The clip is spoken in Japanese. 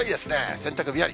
洗濯日和。